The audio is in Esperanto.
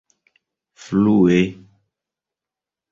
flue